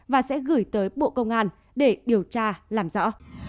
và sẽ gửi tới bộ công an để điều tra làm rõ